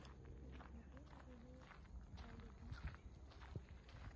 د افغانستان هېواد له بېلابېلو ډولو ځمکه څخه ډک دی.